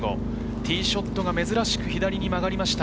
ティーショット珍しく左に曲がりました。